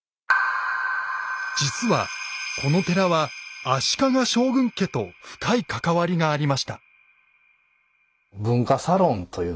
実はこの寺は足利将軍家と深い関わりがありました。